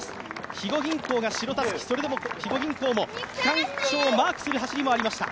肥後銀行が白たすき、それでも肥後銀行も区間賞をマークする走りもありました。